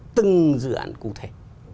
từng dự án cụ thể